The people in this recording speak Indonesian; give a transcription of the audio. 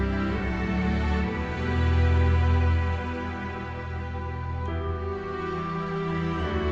saya sari kata tidak bisa beri pendapat hal